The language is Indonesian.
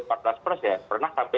ini yang sebetulnya sekali lagi